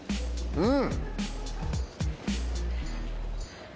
うん。